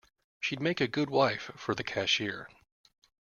She'd make a good wife for the cashier.